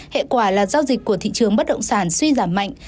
hệ quả là giao dịch của thị trường bất động sản suy giảm mạnh